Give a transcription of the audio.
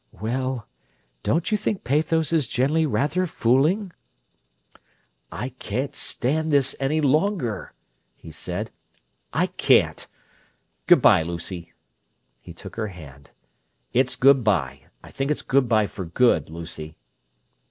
"Well—don't you think pathos is generally rather fooling?" "I can't stand this any longer," he said. "I can't! Good bye, Lucy!" He took her hand. "It's good bye—I think it's good bye for good, Lucy!"